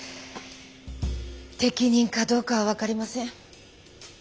適任かどうかは分かりません。